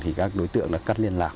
thì các đối tượng đã cắt liên lạc